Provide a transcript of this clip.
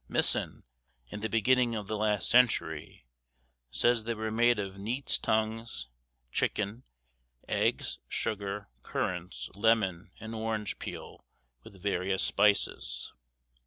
Misson, in the beginning of the last century, says they were made of neats' tongues, chicken, eggs, sugar, currants, lemon and orange peel, with various spices.